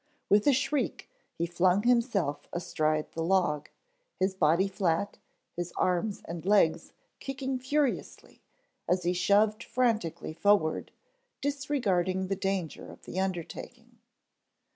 With a shriek he flung himself astride the log, his body flat, his arms and legs kicking furiously as he shoved frantically forward, disregarding the danger of the undertaking.